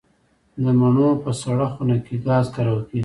د مڼو په سړه خونه کې ګاز کارول کیږي؟